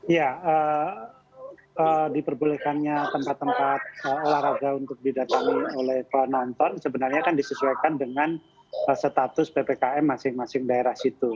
ya diperbolehkannya tempat tempat olahraga untuk didatangi oleh penonton sebenarnya kan disesuaikan dengan status ppkm masing masing daerah situ